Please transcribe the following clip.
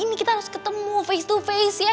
ini kita harus ketemu face to face ya